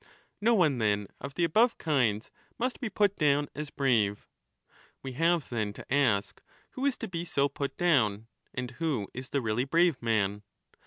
No one, then, of the above kinds must be put down as brave. We have then to ask who is to be so put down, and who is the really brave man.